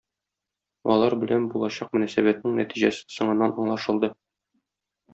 Алар белән булачак мөнәсәбәтнең нәтиҗәсе соңыннан аңлашылды.